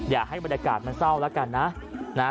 อย่าให้บรรยากาศมันเศร้าแล้วกันนะ